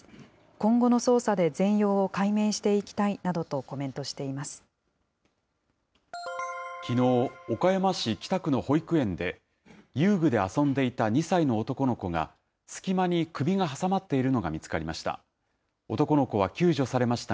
今後の捜査で全容を解明していききのう、岡山市北区の保育園で、遊具で遊んでいた２歳の男の子が、隙間に首が挟まっているのが見つかりました。